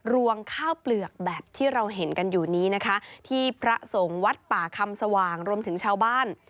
วงข้าวเปลือกแบบที่เราเห็นกันอยู่นี้นะคะที่พระสงฆ์วัดป่าคำสว่างรวมถึงชาวบ้าน